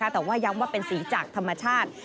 แต่ว่าย้ำว่าเป็นสีจากธรรมชาติ